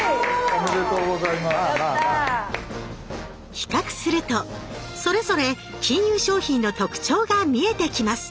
比較するとそれぞれ金融商品の特徴が見えてきます。